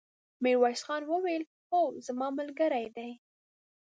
ميرويس خان وويل: هو، زما ملګری دی!